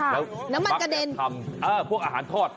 แล้วปั๊กแบบทำพวกอาหารทอด